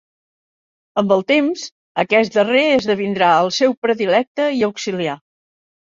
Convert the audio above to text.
Amb el temps, aquest darrer esdevindrà el seu predilecte i auxiliar.